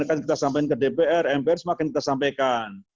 dan akan disampaikan ke dpr mpr semakin disampaikan